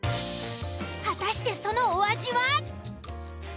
果たしてそのお味は？